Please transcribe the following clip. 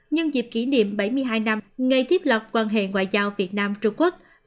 nhân dịp kỷ niệm bảy mươi hai năm ngày tiếp lọc quan hệ ngoại giao việt nam trung quốc